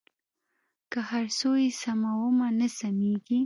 که هر څو یې سمومه نه سمېږي.